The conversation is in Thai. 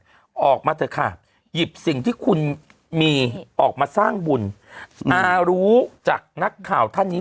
ด้วยกันออกมาได้ค่ะหยิบสิ่งที่คุณมีออกมาสร้างบุญเปารู้จับนักข่าวท่านนี้